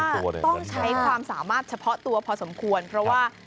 แต่ดิฉันว่าต้องใช้ความสามารถเฉพาะตัวพอสมควรเพราะว่า